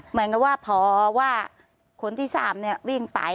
เหมือนกับว่าพอว่าคนที่๓วิ่งไป